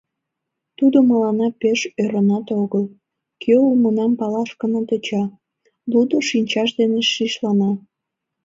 Тудо мыланна пеш ӧрынат огыл, кӧ улмынам палаш гына тӧча, лудо шинчаж дене шишлана.